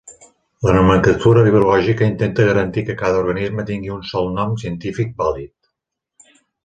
La nomenclatura biològica intenta garantir que cada organisme tingui un sol nom científic vàlid.